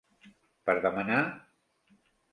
Per demanar??